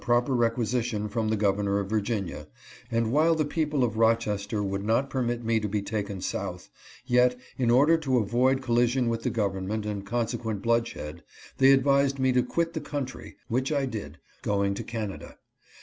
379 proper requisition from the governor of Virginia, and that while the people of Rochester would not permit me to be taken South, yet, in order to avoid collision with the gov ernment and consequent bloodshed, they advised me to quit the country, which I did — going to Canada.